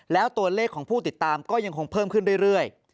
แล้วตัวเลขของผู้ติดตามก็ยังคงเพิ่มขึ้นเรื่อย